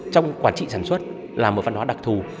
trong quản trị sản xuất là một văn hóa đặc thù